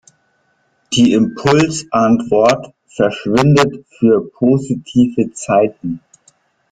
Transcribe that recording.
Die Impulsantwort verschwindet für positive Zeiten.